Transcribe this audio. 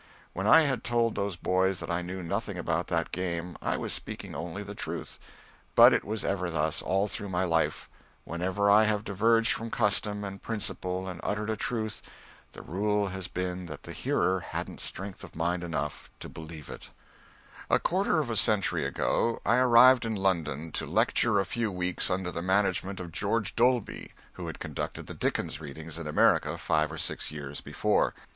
When I had told those boys that I knew nothing about that game I was speaking only the truth; but it was ever thus, all through my life: whenever I have diverged from custom and principle and uttered a truth, the rule has been that the hearer hadn't strength of mind enough to believe it. [Sidenote: (1873.)] A quarter of a century ago I arrived in London to lecture a few weeks under the management of George Dolby, who had conducted the Dickens readings in America five or six years before.